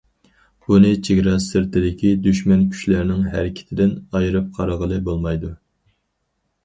بۇنى چېگرا سىرتىدىكى دۈشمەن كۈچلەرنىڭ ھەرىكىتىدىن ئايرىپ قارىغىلى بولمايدۇ.